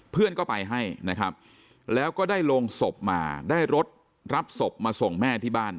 เพื่อนก็ไปให้แล้วก็ได้ลงศพมารับศพมาส่งแม่ที่บ้าน